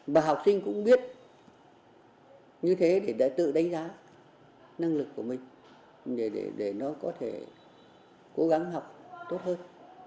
và học sinh cũng biết như thế để tự đánh giá năng lực của mình để nó có thể cố gắng học tốt hơn